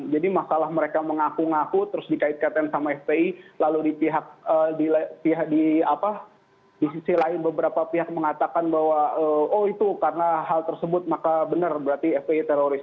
jadi masalah mereka mengaku ngaku terus dikaitkan sama fpi lalu di pihak apa di sisi lain beberapa pihak mengatakan bahwa oh itu karena hal tersebut maka benar berarti fpi teroris